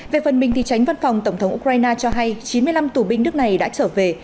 về phần mình thì tránh văn phòng tổng thống ukraine cho hay chín mươi năm tù binh nước này đã trở về